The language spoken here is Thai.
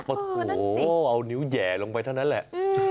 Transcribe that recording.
พอโถเอานิ้วแหย่ลงไปเท่านั้นแหละ